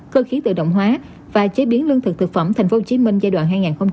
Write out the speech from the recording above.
cơ khí tự động hóa và chế biến lương thực thực phẩm tp hcm giai đoạn hai nghìn hai mươi hai nghìn ba mươi